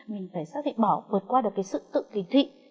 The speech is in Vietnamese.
mình phải xác định bỏ vượt qua được sự tự kỳ thị